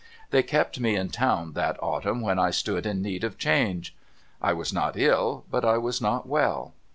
They kept me in town that autumn, when I stood in need of change. I was not ill, but I was not well.